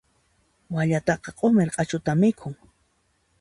Wallataqa q'umir q'achuta mikhun.